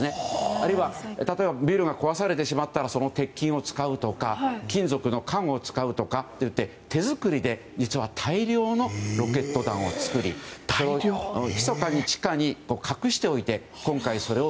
あるいは例えばビルが壊されたらその鉄筋を使うとか金属の管を使うとか、手作りで実は大量のロケット弾を作りひそかに地下に隠しておいて今回それを